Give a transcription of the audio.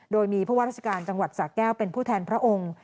โดยมีผู้ว่าราชการจังหวัดสะแก้วเป็นผู้แทนพระองค์